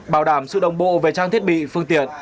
bảo đảm sự đồng bộ về trang thiết bị phương tiện